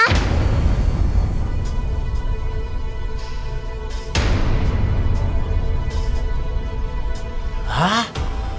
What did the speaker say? tidak ada boki